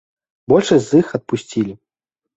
Большасць з іх адпусцілі.